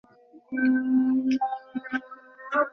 চলো, আমি তোমাকে নিয়ে যাচ্ছি।